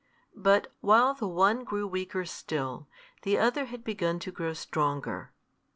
But while the one grew weaker still, the other had begun to grow stronger.